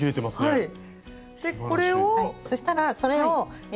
はい。